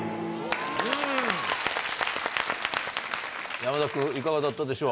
山崎君いかがだったでしょう？